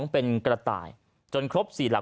เป็นกระต่ายจนครบ๔หลัก